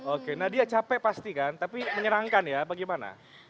oke nah dia capek pasti kan tapi menyerangkan ya bagaimana